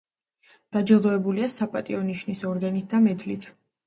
დაჯილდოებულია „საპატიო ნიშნის“ ორდენით და მედლით.